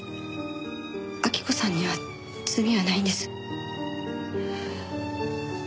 晃子さんには罪はないんです。